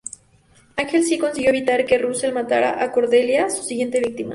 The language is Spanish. Ángel sí consiguió evitar que Russell matara a Cordelia, su siguiente víctima.